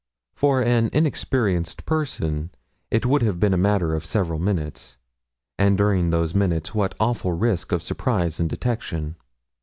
For an inexperienced person it would have been a matter of several minutes, and during those minutes what awful risk of surprise and detection.